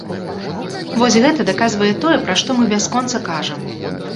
Вось гэта даказвае тое, пра што мы бясконца кажам.